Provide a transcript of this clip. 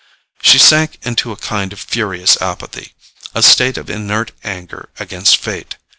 She sank into a kind of furious apathy, a state of inert anger against fate.